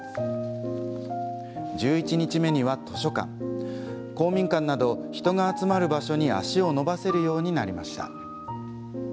１１日目には図書館、公民館など人が集まる場所に足を伸ばせるようになりました。